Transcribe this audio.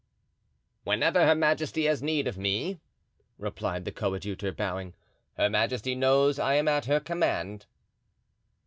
"Whenever her majesty has need of me," replied the coadjutor, bowing, "her majesty knows I am at her command."